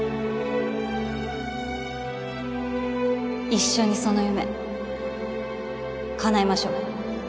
一緒にその夢かなえましょう。